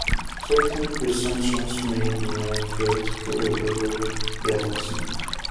Certain presumptions are made in a theoretical Roberval balance.